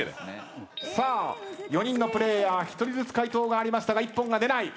さあ４人のプレーヤー１人ずつ回答がありましたが一本が出ない。